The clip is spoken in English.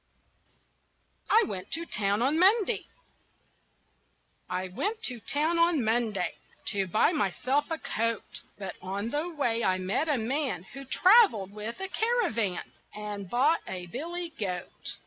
I WENT TO TOWN ON MONDAY I went to town on Monday To buy myself a coat, But on the way I met a man Who traveled with a caravan, And bought a billy goat.